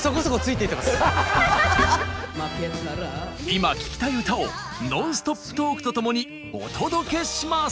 今聴きたい歌をノンストップトークとともにお届けします！